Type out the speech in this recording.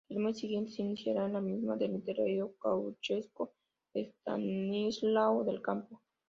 Al mes siguiente se iniciaría en la misma el literato gauchesco Estanislao del Campo.